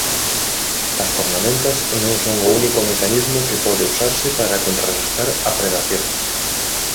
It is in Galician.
As cornamentas non son o único mecanismo que pode usarse para contrarrestar a predación.